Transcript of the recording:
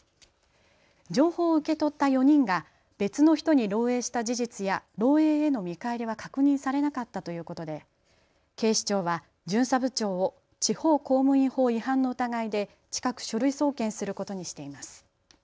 情報を受け取った４人が別の人に漏えいした事実や漏えいへの見返りは確認されなかったということで警視庁は巡査部長を地方公務員法違反の疑いで近く書類送検することにしています。